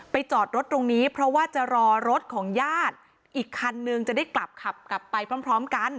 จอดรถตรงนี้เพราะว่าจะรอรถของญาติอีกคันนึงจะได้กลับขับกลับไปพร้อมกัน